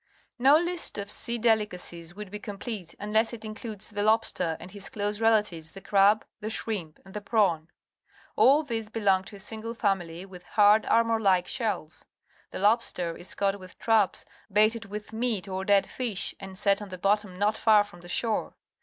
No list of sea delicacies would be complete unless it included the lobster and his close A Lobster Hatchery, Digby, Nova Scotia relatives, the crab, the shrimp^^ and .the prawn. All these belong to a single family with hard, armour like shells. The lobster is caught with traps baited with meat or dead fish and set on the bottom not far from shore.